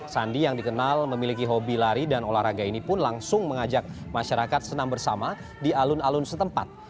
sandi yang dikenal memiliki hobi lari dan olahraga ini pun langsung mengajak masyarakat senam bersama di alun alun setempat